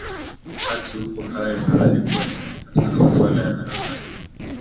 Wakati yupo hai na alikuwa akiandika sana masuala ya harakati